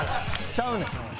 ちゃうねん。